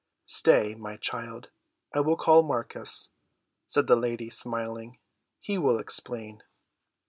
"Stay, my child, I will call Marcus," said the lady, smiling. "He will explain."